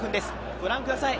ご覧ください。